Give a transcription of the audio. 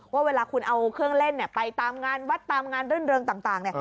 ว่าเวลาคุณเอาเครื่องเล่นไปตามงานวัดตามงานรื่นเริงต่าง